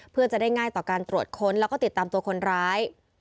เพื่อจะได้ง่ายต่อการตรวจค้นแล้วก็ติดตามตัวคนร้าย